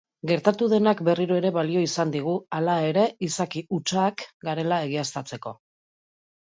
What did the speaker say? Gertatu denak berriro ere balio izan digu hala ere izaki hutsak garela egiaztatzeko.